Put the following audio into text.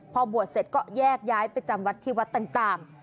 พอบวชเสร็จก็แยกย้ายไปจำวัดที่วัดต่าง